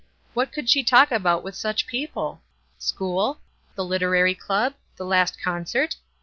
What could she talk about with such people? School? The Literary Club? The last concert?